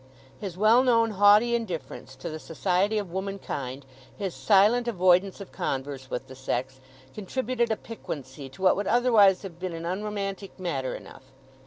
His well known haughty indifference to the society of womankind, his silent avoidance of converse with the sex, contributed a piquancy to what would otherwise have been an unromantic matter enough.